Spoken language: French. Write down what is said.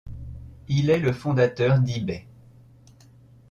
Il est le fondateur d'eBay.